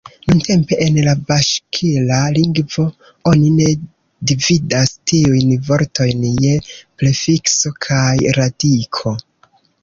Nuntempe en la baŝkira lingvo oni ne dividas tiujn vortojn je prefikso kaj radiko.